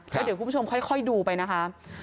แล้วเดี๋ยวคุณผู้ชมค่อยดูไปนะคะ